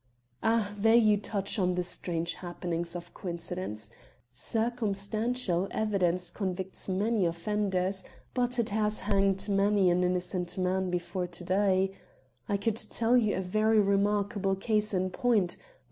"Ah, there you touch on the strange happenings of coincidence. Circumstantial evidence convicts many offenders, but it has hanged many an innocent man before to day. I could tell you a very remarkable case in point.